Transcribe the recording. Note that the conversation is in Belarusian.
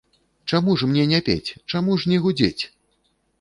Чаму ж мне не пець, чаму ж не гудзець?